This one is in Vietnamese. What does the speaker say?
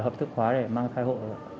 hợp thức hóa để mang thai hộ